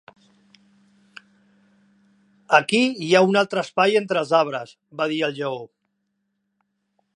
"Aquí hi ha un altre espai entre els arbres", va dir el lleó.